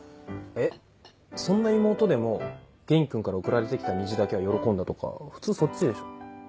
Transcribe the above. えっそんな妹でも元気君から送られてきた虹だけは喜んだとか普通そっちでしょ？